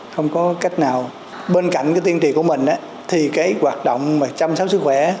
không có cách nào bên cạnh cái tiên tri của mình thì cái hoạt động mà chăm sóc sức khỏe